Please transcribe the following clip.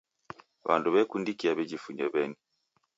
Wandu wekundikia wijifunye weni.